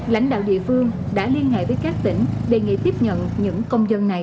lãnh đạo địa phương đã liên hệ với các tỉnh đề nghị tiếp nhận những công dân này